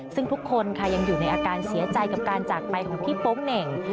ซึ่งทุกคนค่ะยังอยู่ในอาการเสียใจกับการจากไปของพี่โป๊งเหน่ง